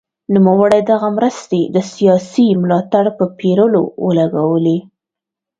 نوموړي دغه مرستې د سیاسي ملاتړ په پېرلو ولګولې.